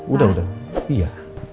udah udah iya